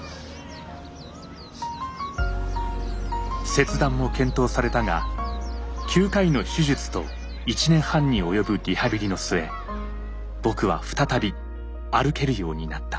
切断も検討されたが９回の手術と１年半に及ぶリハビリの末僕は再び歩けるようになった。